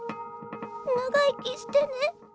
長生きしてね。